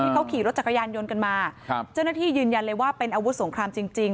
เขาขี่รถจักรยานยนต์กันมาเจ้าหน้าที่ยืนยันเลยว่าเป็นอาวุธสงครามจริงจริง